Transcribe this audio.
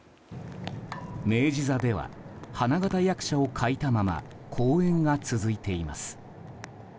明治座では花形役者を欠いたまま公演が続いています。